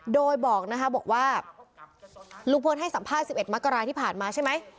โดยบอกนะคะบอกว่าลุงพลให้สัมภาษณ์๑๑มกราที่ผ่านมาใช่ไหม